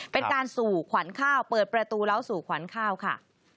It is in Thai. เป็นการสู่ขวัญข้าวเปิดประตูเล้าสู่ขวัญข้าวค่ะ